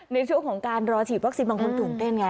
ในช่วงของการรอฉีดวัคซีนบางคนตื่นเต้นไง